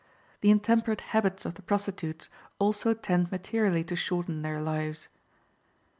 The intemperate habits of the prostitutes also tend materially to shorten their lives.